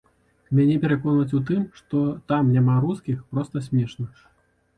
Мяне пераконваць у тым, што там няма рускіх, проста смешна.